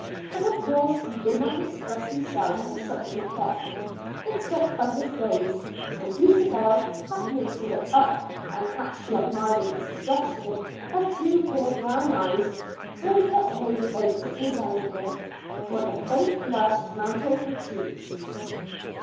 But of course he did not express himself to such an effect, except by his gaze; and Dulcibel happening to look up and catch the admiring expression of two clear brown eyes, turned her own instantly down again, while a faint blush mantled her cheeks.